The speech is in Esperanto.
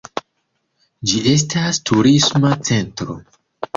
Ĝi estas turisma centro.